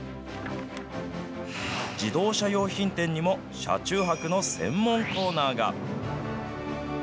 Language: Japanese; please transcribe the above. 自動車用品店にも車中泊の専門コーナーが。